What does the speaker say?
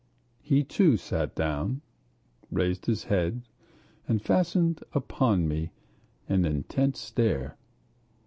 He, too, sat down, raised his head, and fastened upon me an intent stare.